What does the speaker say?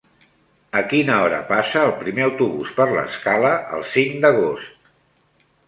A quina hora passa el primer autobús per l'Escala el cinc d'agost?